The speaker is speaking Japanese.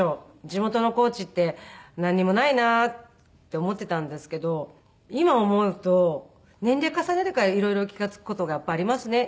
地元の高知ってなんにもないなって思ってたんですけど今思うと年齢重ねてからいろいろ気が付く事がやっぱありますね。